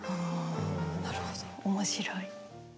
なるほど面白い。